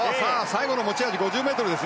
最後の持ち味の５０ｍ。